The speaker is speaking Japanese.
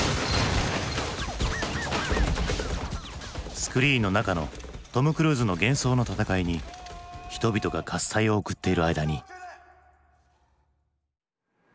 スクリーンの中のトム・クルーズの幻想の戦いに人々が喝采を送っている間に。